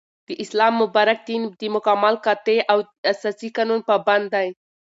داسلام مبارك دين دمكمل ، قاطع او اساسي قانون پابند دى